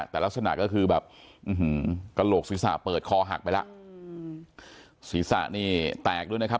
แต่ลักษณะก็คือแบบกระโหลกศีรษะเปิดคอหักไปแล้วศีรษะนี่แตกด้วยนะครับ